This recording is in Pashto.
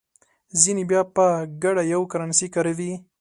ځینې بیا په ګډه یوه کرنسي کاروي.